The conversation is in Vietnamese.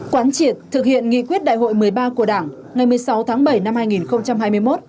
quán triệt thực hiện nghị quyết đại hội một mươi ba của đảng ngày một mươi sáu tháng bảy năm hai nghìn hai mươi một